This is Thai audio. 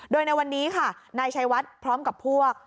โดยในวันนี้ค่ะนายชัยวัดพร้อมกับพวก